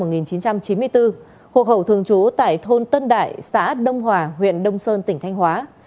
sinh năm một nghìn chín trăm chín mươi bốn hộ khẩu thường trú tại thôn tân đại xã đông hòa huyện đông sơn tỉnh thanh hóa